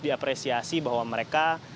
diapresiasi bahwa mereka